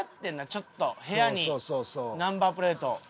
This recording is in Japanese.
ちょっと部屋にナンバープレート。